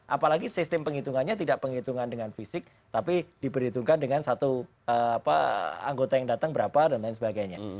apalagi sistem penghitungannya tidak penghitungan dengan fisik tapi diperhitungkan dengan satu anggota yang datang berapa dan lain sebagainya